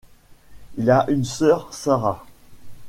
Il a une sœur, Sarah.